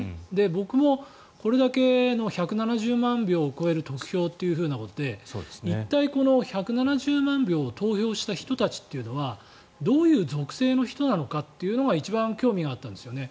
僕もこれだけの１７０万票を超える得票ということで一体この１７０万票投票した人たちというのはどういう属性の人なのかってことが一番興味があったんですよね。